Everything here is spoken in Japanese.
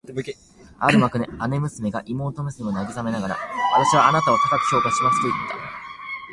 ある幕で姉娘が妹娘を慰めながら、「私はあなたを高く評価します」と言った